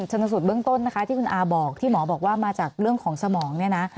ชนสูตรเบื้องต้นนะคะที่คุณอาบอกที่หมอบอกว่ามาจากเรื่องของสมองเนี่ยนะ